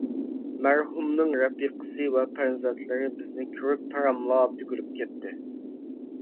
مەرھۇمنىڭ رەپىقىسى ۋە پەرزەنتلىرى بىزنى كۆرۈپ تاراملاپ تۆكۈلۈپ كەتتى.